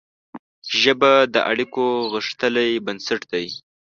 ژبه د اړیکو غښتلی بنسټ دی